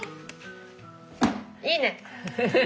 いいね！